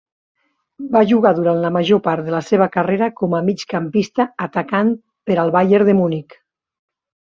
Va jugar durant la major part de la seva carrera com a migcampista atacant per al Bayern de Munic.